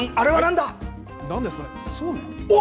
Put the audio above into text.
なんですか、そうめん。